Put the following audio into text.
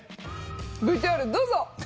ＶＴＲどうぞ！